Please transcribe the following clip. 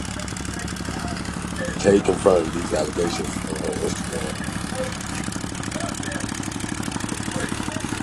Tay confirmed these allegations on her Instagram.